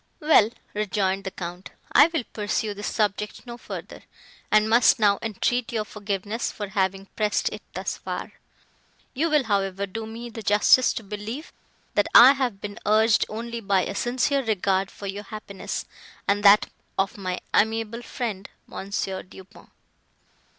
"Well," rejoined the Count, "I will pursue this subject no further, and must now entreat your forgiveness for having pressed it thus far. You will, however, do me the justice to believe, that I have been urged only by a sincere regard for your happiness, and that of my amiable friend Mons. Du Pont."